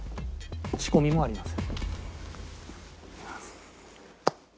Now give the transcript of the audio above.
仕込みもありません。